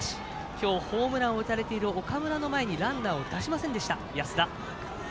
今日、ホームランを打たれている岡村の前にランナーを出せませんでした安田。